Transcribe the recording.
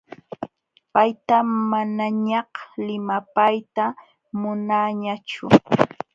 Payta manañaq limapayta munaañachu.